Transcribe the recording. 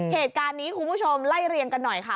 เหตุการณ์นี้คุณผู้ชมไล่เรียงกันหน่อยค่ะ